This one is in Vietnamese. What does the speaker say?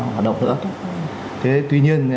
hoạt động nữa thế tuy nhiên